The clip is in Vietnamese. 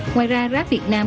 ngoài ra grab việt nam